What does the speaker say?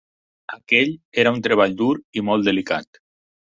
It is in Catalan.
Aquell era un treball dur i molt delicat.